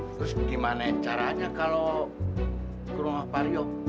terus gimana caranya kalau ke rumah pak rio